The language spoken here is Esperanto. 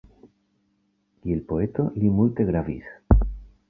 Kiel poeto li multe gravis.